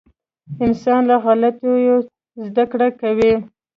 • انسان له غلطیو زده کړه کوي.